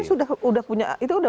nah itu kan sudah